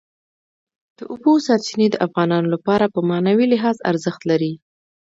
د اوبو سرچینې د افغانانو لپاره په معنوي لحاظ ارزښت لري.